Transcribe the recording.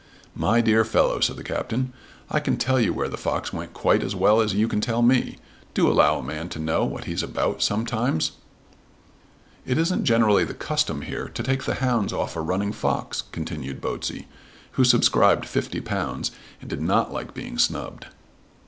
"My dear fellow," said the Captain, "I can tell you where the fox went quite as well as you can tell me. Do allow a man to know what he's about some times." "It isn't generally the custom here to take the hounds off a running fox," continued Botsey, who subscribed £50, and did not like being snubbed.